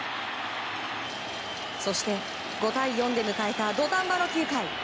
そして５対４で迎えた土壇場の９回。